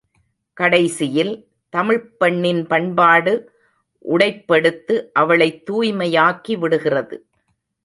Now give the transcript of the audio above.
கடைசியில், தமிழ்ப் பெண்ணின் பண்பாடு உடைப்பெடுத்து அவளைத் தூய்மையாக்கி விடுகிறது.